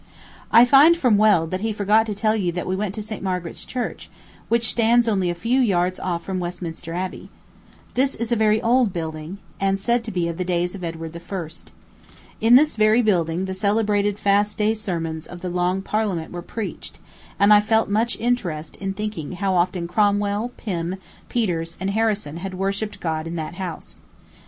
I find from Weld that he forgot to tell you that we went to St. Margaret's Church, which stands only a few yards off from Westminster Abbey. This is a very old building, and said to be of the days of Edward I. In this very building the celebrated fast day sermons of the Long Parliament were preached, and I felt much interest in thinking how often Cromwell, Pym, Peters, and Harrison had worshipped God in that house.